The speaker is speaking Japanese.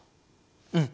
うん。